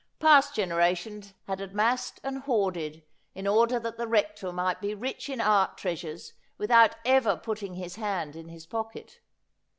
Past generations had amassed and hoarded in order that the Rector might be rich in art treasures without ever putting his hand in his pocket.